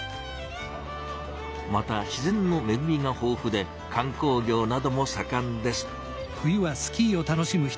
また自然のめぐみがほうふで観光業などもさかんです。